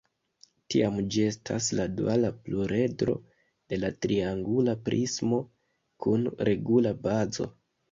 Tiam gi estas la duala pluredro de la triangula prismo kun regula bazo.